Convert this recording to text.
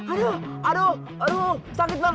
aduh aduh aduh sakit banget